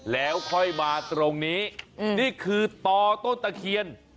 แล้วค่อยมาตรงนี้นี่คือต่อต้นตะเคียน